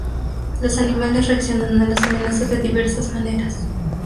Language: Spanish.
Los animales reaccionan a las amenazas de diversas maneras.